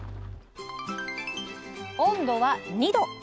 温度は２℃。